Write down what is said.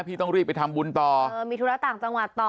ต้องรีบไปทำบุญต่อเออมีธุระต่างจังหวัดต่อ